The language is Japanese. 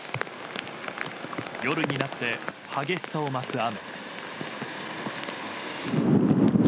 夜になって激しさを増す雨。